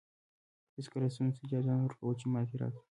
هېڅکله ستونزو ته اجازه نه ورکوو چې ماتې راکړي.